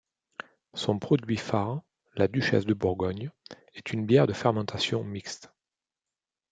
Son produit phare, la Duchesse de Bourgogne, est une bière de fermentation mixte.